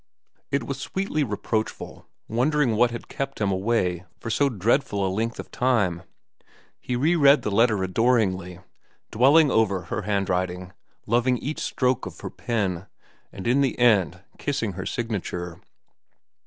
It was sweetly reproachful, wondering what had kept him away for so dreadful a length of time. He reread the letter adoringly, dwelling over her handwriting, loving each stroke of her pen, and in the end kissing her signature.